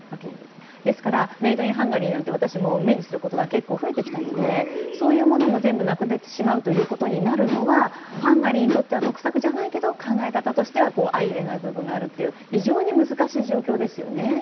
ですからメイドインハンガリーなどと目にすることが増えてきたのでそういうものも全部なくなってしまうということになるのはハンガリーにとっては得策じゃないけど考え方は相容れない部分があるという難しい状況ですね。